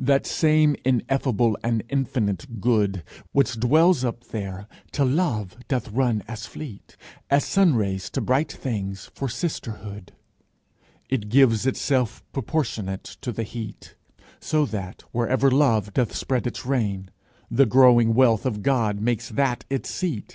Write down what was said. That same ineffable and infinite Good, Which dwells up there, to Love doth run as fleet As sunrays to bright things, for sisterhood. It gives itself proportionate to the heat: So that, wherever Love doth spread its reign, The growing wealth of God makes that its seat.